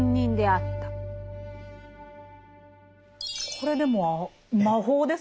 これでも魔法ですよね